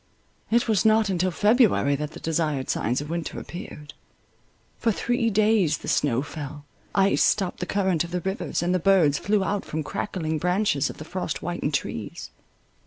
It was not until February that the desired signs of winter appeared. For three days the snow fell, ice stopped the current of the rivers, and the birds flew out from crackling branches of the frost whitened trees.